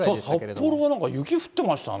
札幌がなんか雪降ってましたね。